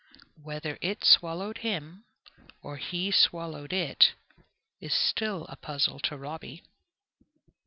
Whether it swallowed him, or he swallowed it, is still a puzzle to Robby.